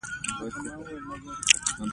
تر پایه یې د انګرېزانو پر ضد تبلیغات وکړل.